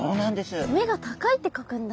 「目が高い」って書くんだ。